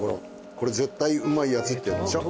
これ絶対うまいやつっていうんでしょ？